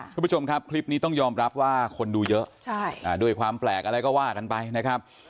คุณผู้ชมครับคลิปนี้ต้องยอมรับว่าคนดูเยอะด้วยความแปลกอะไรก็ว่ากันไปนะครับ